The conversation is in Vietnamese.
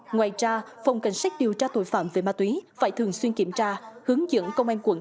ngoài ra phòng cảnh sát điều tra tội phạm về ma túy phải thường xuyên kiểm tra hướng dẫn công an quận